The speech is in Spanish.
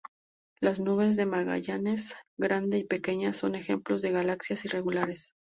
Las Nubes de Magallanes Grande y Pequeña, son ejemplos de galaxias irregulares.